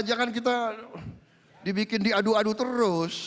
jangan kita dibikin diadu adu terus